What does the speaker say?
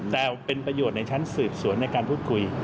แต่เป็นประโยชน์ในชั้นสืบสวนในการพูดคุย